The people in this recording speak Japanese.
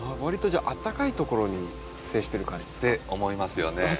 わりとあったかいところに自生してる感じですか？って思いますよね。